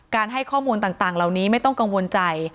ให้ข้อมูลต่างเหล่านี้ไม่ต้องกังวลใจ